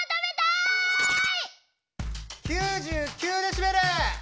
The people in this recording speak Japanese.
９９デシベル！